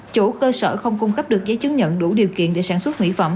chủ cơ sở không cung cấp được giấy chứng nhận đủ điều kiện để sản xuất mỹ phẩm